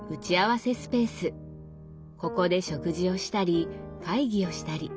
ここで食事をしたり会議をしたり。